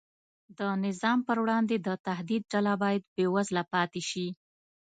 د نظام پر وړاندې د تهدید ډله باید بېوزله پاتې شي.